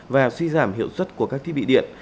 và suy giảm hiệu suất của các thiết bị điện